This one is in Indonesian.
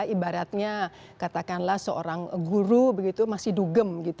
ibaratnya katakanlah seorang guru begitu masih dugem